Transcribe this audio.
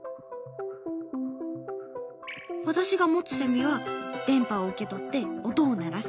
私が持つセミは電波を受け取って音を鳴らす。